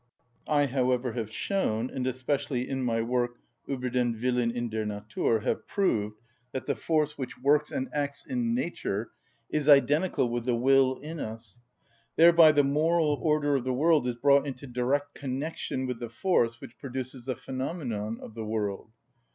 I, however, have shown, and especially in my work "Ueber den Willen in der Natur" have proved, that the force which works and acts in nature is identical with the will in us. Thereby the moral order of the world is brought into direct connection with the force which produces the phenomenon of the world.